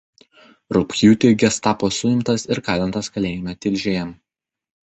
Rugpjūtį gestapo suimtas ir kalintas kalėjime Tilžėje.